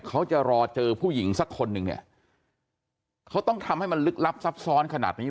เขาจะรอเจอผู้หญิงสักคนหนึ่งเนี่ยเขาต้องทำให้มันลึกลับซับซ้อนขนาดนี้